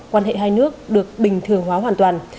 quan hệ hai nước được bình thường hóa hoàn toàn